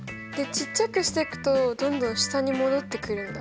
ちっちゃくしてくとどんどん下に戻ってくるんだ。